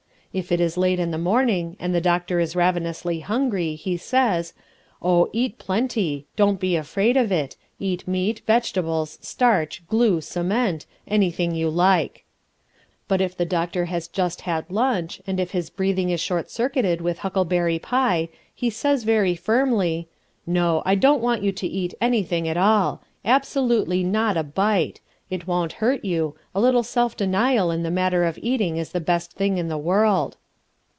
If it is late in the morning and the doctor is ravenously hungry, he says: "Oh, eat plenty, don't be afraid of it; eat meat, vegetables, starch, glue, cement, anything you like." But if the doctor has just had lunch and if his breathing is short circuited with huckleberry pie, he says very firmly: "No, I don't want you to eat anything at all: absolutely not a bite; it won't hurt you, a little self denial in the matter of eating is the best thing in the world."